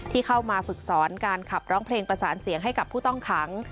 ที่เข้ามาฝึกสอนการขับร้องเพลงประสานเสียงให้กับผู้ต้องขัง